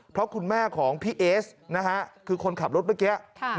เพราะคุณแม่ของพี่เอสนะฮะคือคนขับรถเมื่อกี้